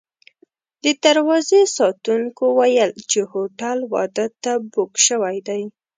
د دروازې ساتونکو ویل چې هوټل واده ته بوک شوی دی.